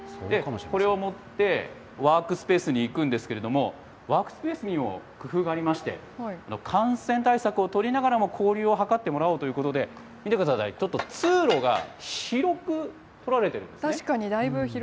これを持って、ワークスペースに行くんですけれども、ワークスペースにも工夫がありまして、感染対策を取りながらも、交流をはかってもらおうということで、見てください、ちょっと通路が、広く取られてるんですね。